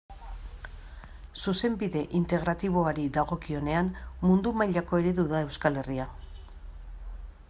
Zuzenbide Integratiboari dagokionean mundu mailako eredu da Euskal Herria.